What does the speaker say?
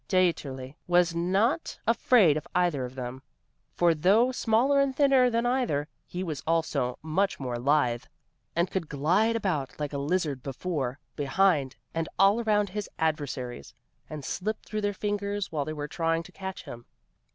Dieterli was not afraid of either of them; for though smaller and thinner than either, he was also much more lithe, and could glide about like a lizard before, behind and all around his adversaries, and slip through their fingers while they were trying to catch him.